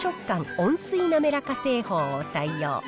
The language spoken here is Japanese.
温水なめらか製法を採用。